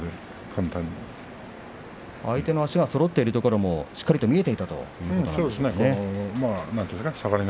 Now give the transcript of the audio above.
相手の足がそろっているところもよく見えていたということですかね。